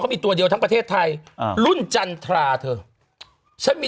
มีตัวเดียวทั้งประเทศไทยอ่ารุ่นจันทราเธอฉันมี